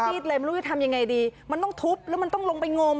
เลยไม่รู้จะทำยังไงดีมันต้องทุบแล้วมันต้องลงไปงม